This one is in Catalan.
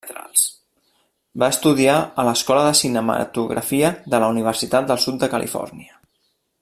Va estudiar a l'escola de Cinematografia de la Universitat del Sud de Califòrnia.